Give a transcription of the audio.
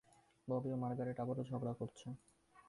ববি ও মার্গারেট আবারো ঝগড়া করেছে।